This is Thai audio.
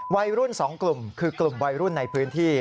วัยรุ่น๒กลุ่มคือกลุ่มวัยรุ่นในพื้นที่